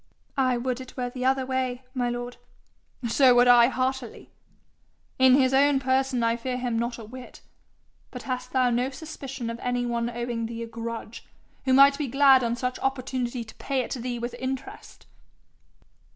'I would it were the other way, my lord.' 'So would I heartily. In his own person I fear him not a whit. But hast thou no suspicion of any one owing thee a grudge, who might be glad on such opportunity to pay it thee with interest?'